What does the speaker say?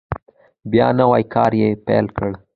بیا نوی کار یې پیل کړ.